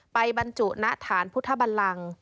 ไปบรรจุณะฐานพุทธบัลลังค์